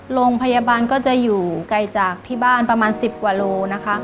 โรงพยาบาลก็จะอยู่ไกลจากที่บ้านประมาณ๑๐กว่าโลนะคะ